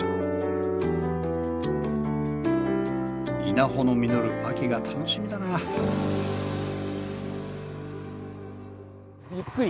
稲穂の実る秋が楽しみだなぁゆっくり。